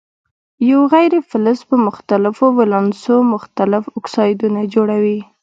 یو غیر فلز په مختلفو ولانسو مختلف اکسایدونه جوړوي.